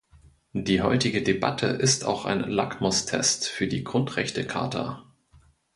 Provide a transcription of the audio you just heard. Die heutige Debatte ist auch ein Lackmustest für die Grundrechte-Charta.